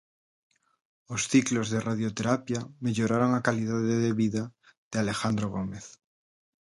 Os ciclos de radioterapia melloraron a calidade de vida de Alejandro Gómez.